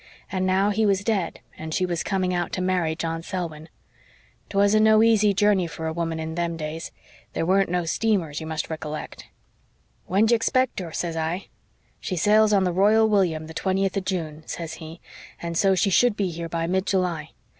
And now he was dead and she was coming out to marry John Selwyn. 'Twasn't no easy journey for a woman in them days. There weren't no steamers, you must ricollect. "'When do you expect her?' says I. "'She sails on the Royal William, the 20th of June,' says he, 'and so she should be here by mid July.